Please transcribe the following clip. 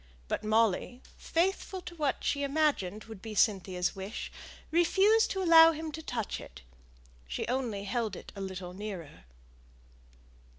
But Molly, faithful to what she imagined would be Cynthia's wish, refused to allow him to touch it; she only held it a little nearer.